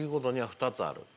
２つある。